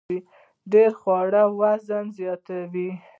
ډیر خواړه وزن زیاتوي